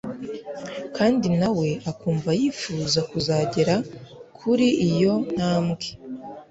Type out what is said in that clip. kandi nawe akumva yifuza kuzagera kuri iyo ntambwe